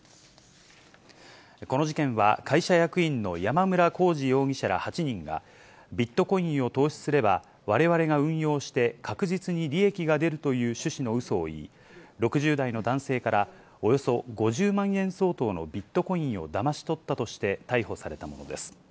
この事件は、会社役員の山村耕二容疑者ら８人が、ビットコインを投資すれば、われわれが運用して確実に利益が出るという趣旨のうそを言い、６０代の男性から、およそ５０万円相当のビットコインをだまし取ったとして逮捕されたものです。